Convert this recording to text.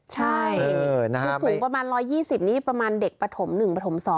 ใช่คือสูงประมาณ๑๒๐นี่ประมาณเด็กปฐม๑ปฐม๒